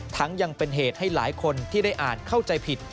ยังเป็นเหตุให้หลายคนที่ได้อ่านเข้าใจผิด